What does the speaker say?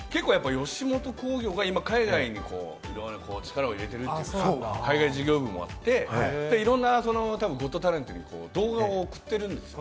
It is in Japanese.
吉本興業が海外にいろいろ力を入れているというか、海外事業部もあって、いろんな『ゴット・タレント』に動画を送っているんですよ。